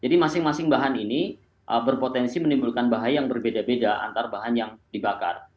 jadi masing masing bahan ini berpotensi menimbulkan bahaya yang berbeda beda antar bahan yang dibakar